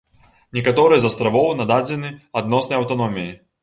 Некаторыя з астравоў нададзены адноснай аўтаноміяй.